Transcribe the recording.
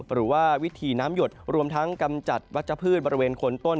หรือว่าวิธีน้ำหยดรวมทั้งกำจัดวัชพืชบริเวณคนต้น